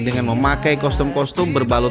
dengan memakai kostum kostum berbalut